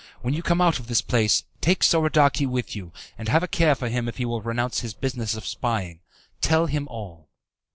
When you come out of this place, take Soradaci with you, and have a care for him if he will renounce his business of spying. Tell him all.